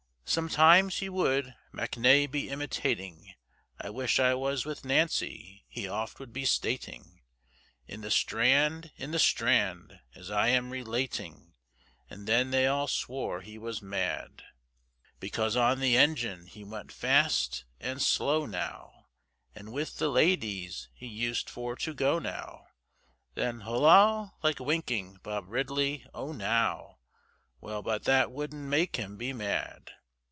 Sometimes he would Mackney be imitating, I wish I was with Nancy! he oft would be stating, In the Strand, in the Strand! as I am relating, And then they all swore he was mad. Because on the engine he went fast and slow, now, And with the ladies he used for to go now, Then holloa like winking, Bob Ridley, O! now, Well, but that wouldn't make him be mad.